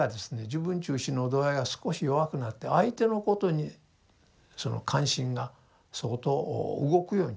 自分中心の度合いが少し弱くなって相手のことにその関心が相当動くようになる。